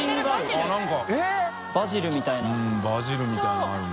うんバジルみたいなのがあるね。